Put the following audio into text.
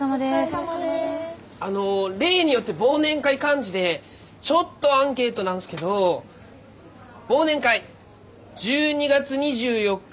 あの例によって忘年会幹事でちょっとアンケートなんですけど忘年会１２月２４日